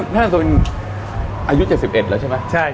น่าจะเป็นอายุ๗๑แล้วใช่ไหม